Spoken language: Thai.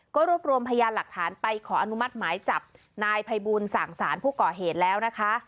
ก็รวบรวมพยานหลักฐานไปขออนุมัติหมายจับนายภัยบูลสั่งสารผู้ก่อเหตุแล้วนะคะ